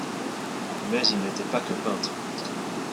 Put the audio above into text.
Mais il n'était pas que peintre.